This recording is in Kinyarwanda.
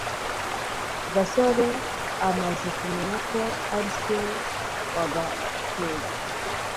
gasore amaze kumenya ko ari se wa gakwego